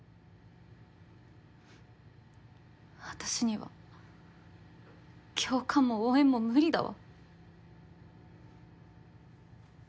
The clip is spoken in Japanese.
私には共感も応援も無理だわ。